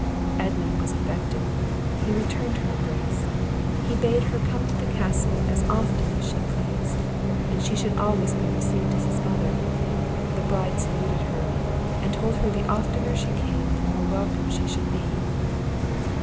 Edmund was affected, he returned her embrace; he bade her come to the Castle as often as she pleased, and she should always be received as his mother; the bride saluted her, and told her the oftener she came, the more welcome she should be.